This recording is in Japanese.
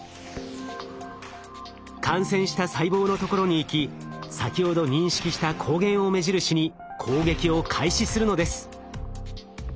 感染した細胞のところに行き先ほど認識した抗原を目印に攻撃を開始するのです。